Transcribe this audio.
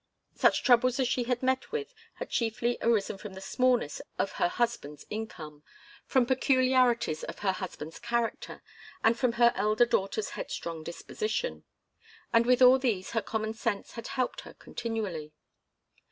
Such troubles as she had met with had chiefly arisen from the smallness of her husband's income, from peculiarities of her husband's character, and from her elder daughter's headstrong disposition. And with all these her common sense had helped her continually.